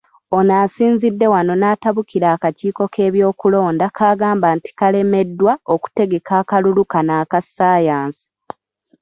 Ono asinzidde wano n'atabukira akakiiko k'ebyokulonda k'agamba nti kalemeddwa okutegeka akalulu kano aka Ssaayansi.